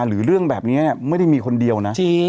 หรือเรื่องแบบนี้ไม่ได้มีคนเดียวนะ